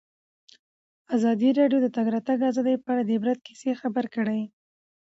ازادي راډیو د د تګ راتګ ازادي په اړه د عبرت کیسې خبر کړي.